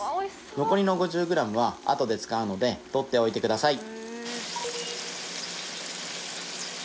残りの５０ｇはあとで使うのでとっておいてください